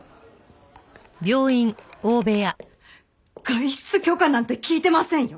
外出許可なんて聞いてませんよ！